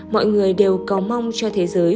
mọi người đều cầu mong cho thế giới